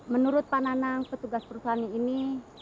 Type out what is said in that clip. menurut pananang petugas perusahaan ini